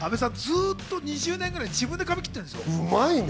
２０年ぐらい自分で髪切ってるんですよ。